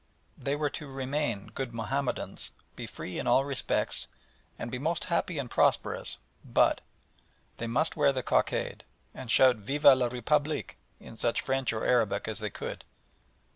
They were to remain good Mahomedans, be free in all respects, and be most happy and prosperous but they must wear the cockade, and shout "Vive la République" in such French or Arabic as they could.